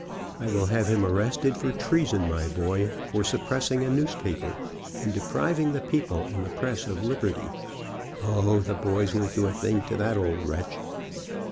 I will have him arrested for treason, my boy, for suppressing a newspaper, and depriving the people and the press of liberty ! O, the boys won't do a thing to that old wretch.